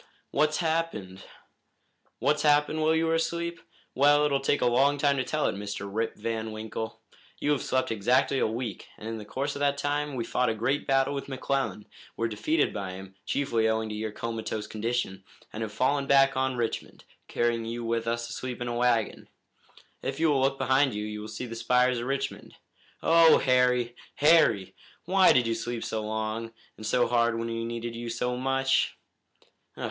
"What's happened?" "What's happened, while you were asleep? Well, it will take a long time to tell it, Mr. Rip Van Winkle. You have slept exactly a week, and in the course of that time we fought a great battle with McClellan, were defeated by him, chiefly owing to your comatose condition, and have fallen back on Richmond, carrying you with us asleep in a wagon. If you will look behind you you will see the spires of Richmond. Oh, Harry! Harry! Why did you sleep so long and so hard when we needed you so much?"